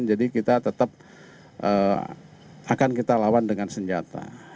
kita tetap akan kita lawan dengan senjata